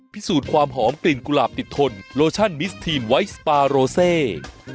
พิสูจน์ความหอมกลิ่นกุหลาบติดทนโลชั่นมิสทีนไวท์สปาโรเซ